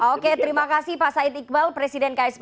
oke terima kasih pak said iqbal presiden ksp